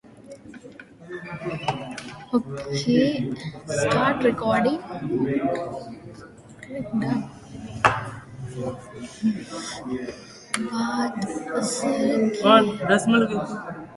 There is no public accommodation available at Selwyn Snow Resort.